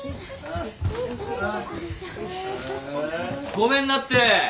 ごめんなって。